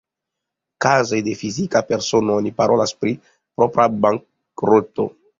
Kaze de fizika persono, oni parolas pri propra bankroto.